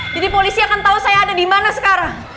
jadi polisi akan tau saya ada dimana sekarang